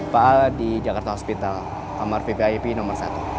pak al di jakarta hospital kamar vvip nomor satu